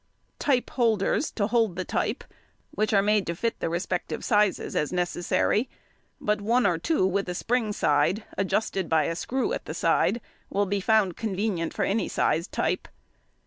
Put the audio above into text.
Type holders to hold the type, which are made to fit the respective sizes are necessary, but one or two with a spring side, adjusted by screw at the side, will be found convenient for any sized type.